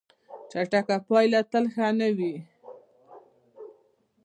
چټک پایله تل ښه نه وي.